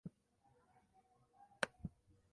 De su pasado histórico se conservan pocos datos.